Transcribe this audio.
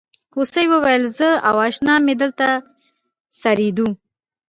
هوسۍ وویل زه او اشنا مې دلته څریدو.